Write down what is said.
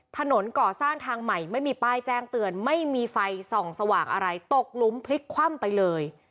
ถนนก่อสร้างทางใหม่ไม่มีป้ายแจ้งเตือนไม่มีไฟส่องสว่างอะไรตกหลุมพลิกคว่ำไปเลย